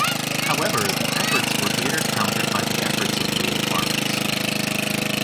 However, the efforts were later countered by the efforts of rural farmers.